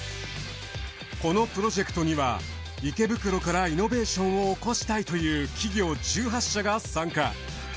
このプロジェクトには池袋からイノベーションを起こしたいという企業１８社が参加。